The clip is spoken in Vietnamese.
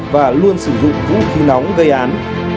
và luôn sử dụng vũ khí nóng gây án